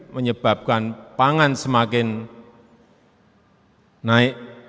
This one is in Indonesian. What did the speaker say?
menyebabkan pangan semakin naik